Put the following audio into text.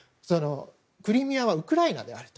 クリミアはウクライナであると。